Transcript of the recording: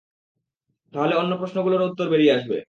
তাহলে অন্য প্রশ্নগুলোরও উত্তর বেরিয়ে আসবে।